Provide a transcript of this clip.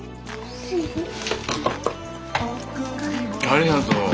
ありがとう。